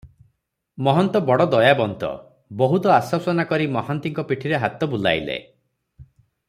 ମହନ୍ତ ବଡ଼ ଦୟାବନ୍ତ, ବହୁତ ଆଶ୍ୱାସନା କରି ମହାନ୍ତିଙ୍କ ପିଠିରେ ହାତ ବୁଲାଇଲେ ।